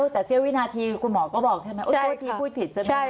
แต่เสี้ยววินาทีคุณหมอก็บอกใช่ไหมโทษที่พูดผิดใช่ไหม